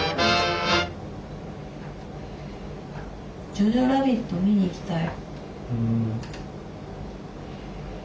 「ジョジョ・ラビット」見に行きたい。